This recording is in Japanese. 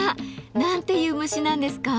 何ていう虫なんですか？